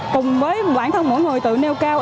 cùng với bản thân mỗi người tự nêu cao